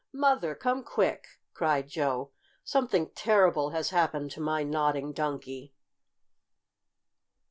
Mother! Come quick!" cried Joe. "Something terrible has happened to my Nodding Donkey!"